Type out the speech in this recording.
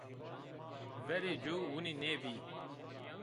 Verê cû winî nêbî